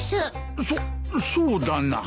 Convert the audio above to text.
そっそうだな。